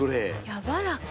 やわらか。